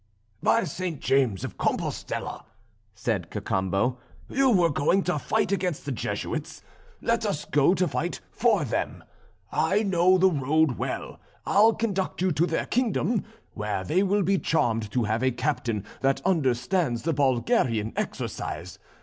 "By St. James of Compostella," said Cacambo, "you were going to fight against the Jesuits; let us go to fight for them; I know the road well, I'll conduct you to their kingdom, where they will be charmed to have a captain that understands the Bulgarian exercise.